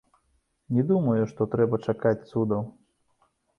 Не думаю, што трэба чакаць цудаў.